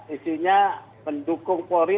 isinya mendukung polri